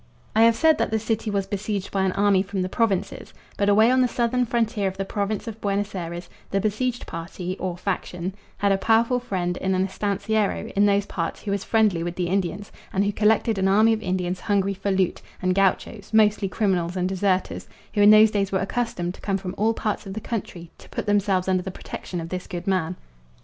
I have said that the city was besieged by an army from the provinces, but away on the southern frontier of the province of Buenos Ayres the besieged party, or faction, had a powerful friend in an estanciero in those parts who was friendly with the Indians, and who collected an army of Indians hungry for loot, and gauchos, mostly criminals and deserters, who in those days were accustomed to come from all parts of the country to put themselves under the protection of this good man.